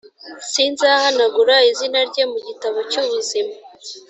sinzahanagura izina rye mu gitabo cy ubuzima